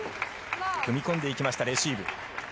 踏み込んでいきましたレシーブ。